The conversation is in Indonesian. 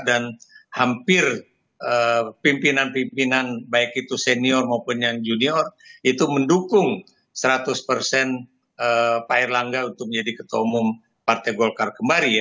dan hampir pimpinan pimpinan baik itu senior maupun yang junior itu mendukung seratus pak erlangga untuk menjadi ketua umum partai golkar kembali ya